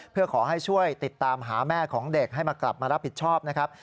เพื่อขอให้ช่วยติดตามหาแม่ของเด็กให้มากลับมารับผิดชอบนะครับ